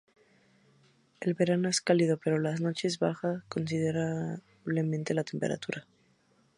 El verano es cálido pero por las noches baja considerablemente la temperatura.